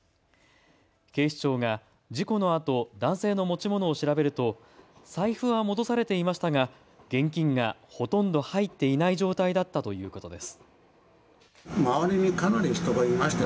警視庁が事故のあと男性の持ち物を調べると財布は戻されていましたが現金が、ほとんど入っていない状態だったということです。